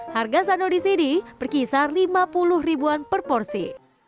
harga sano di sini berkisar lima puluh ribuan per porsi